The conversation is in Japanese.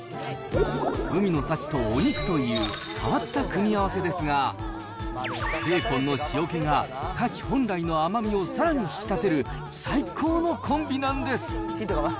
海の幸とお肉という、変わった組み合わせですが、ベーコンの塩気がカキ本来の甘みをさらに引き立てる最高のコンビなんです。